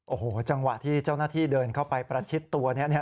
โอ้โหจังหวะที่เจ้าหน้าที่เดินเข้าไปประชิดตัวนี้